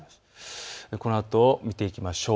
このあと見ていきましょう。